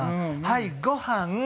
はいご飯。